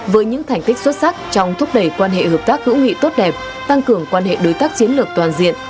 với những thành tích xuất sắc trong thúc đẩy quan hệ hợp tác hữu nghị tốt đẹp tăng cường quan hệ đối tác chiến lược toàn diện